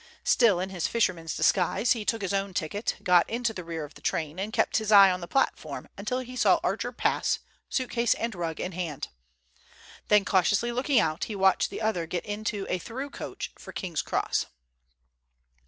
Still in his fisherman's disguise, he took his own ticket, got into the rear of the train, and kept his eye on the platform until he saw Archer pass, suitcase and rug in hand. Then cautiously looking out, he watched the other get into the through coach for King's Cross.